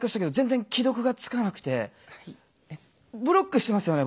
ブロックしてますよね